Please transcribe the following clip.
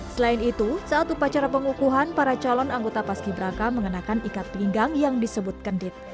selain itu saat upacara pengukuhan para calon anggota paski braka mengenakan ikat pinggang yang disebut kendit